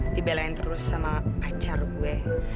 dibelain terus sama pacar gue